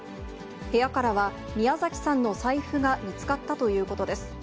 部屋からは、宮崎さんの財布が見つかったということです。